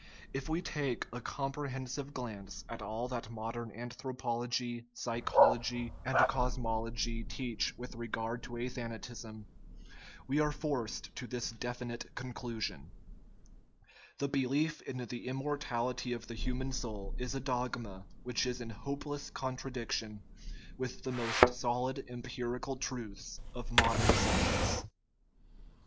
If we take a comprehensive glance at all that modern anthropology, psychology, and cosmology teach with regard to athanatism, we are forced to this definite con clusion :" The belief in the immortality of the human soul is a dogma which is in hopeless contradiction with the most solid empirical truths of modern science."